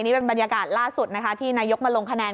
นี่เป็นบรรยากาศล่าสุดนะคะที่นายกมาลงคะแนน